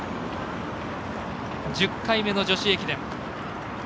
１０回目の女子駅伝。